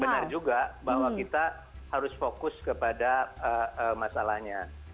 benar juga bahwa kita harus fokus kepada masalahnya